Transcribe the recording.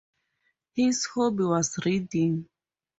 His hobby was reading.